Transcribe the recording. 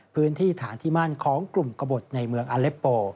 พื้นที่ฐานที่มั่นของกลุ่มกระบดในเมืองอเล็ปโป